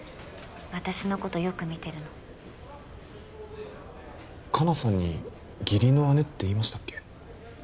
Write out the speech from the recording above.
私のことよく見てるの香菜さんに義理の姉って言いましたっけ？